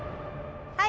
はい。